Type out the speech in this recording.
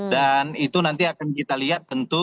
dan itu nanti akan kita lihat tentu